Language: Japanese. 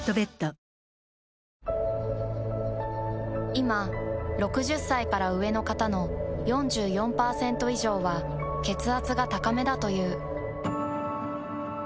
いま６０歳から上の方の４４％以上は血圧が高めだという。